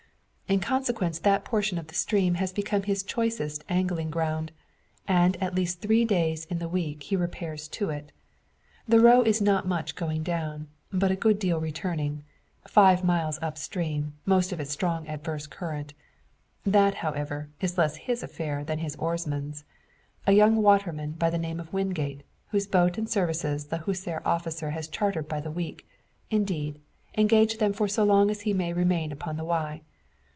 In consequence that portion of the stream has become his choicest angling ground, and at least three days in the week he repairs to it. The row is not much going down, but a good deal returning; five miles up stream, most of it strong adverse current. That, however, is less his affair than his oarsman's a young waterman by name Wingate, whose boat and services the hussar officer has chartered by the week indeed, engaged them for so long as he may remain upon the Wye.